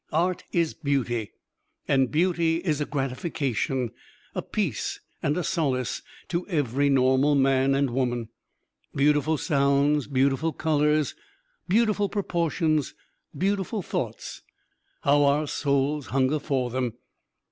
Art is beauty; and beauty is a gratification, a peace and a solace to every normal man and woman. Beautiful sounds, beautiful colors, beautiful proportions, beautiful thoughts how our souls hunger for them!